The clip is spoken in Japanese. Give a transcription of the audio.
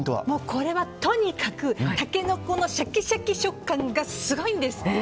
これはとにかくタケノコのシャキシャキ食感がすごいんです！